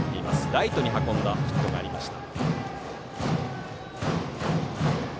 ライトに運んだヒットがありました。